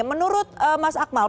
menurut mas akmal